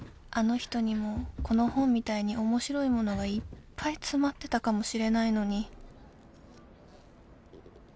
あの人にもこの本みたいに面白いものがいっぱい詰まってたかもしれないのに